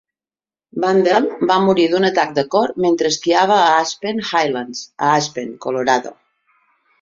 Bandel va morir d"un atac de cor mentre esquiava a Aspen Highlands a Aspen, Colorado.